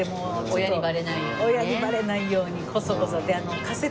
親にバレないようにコソコソ。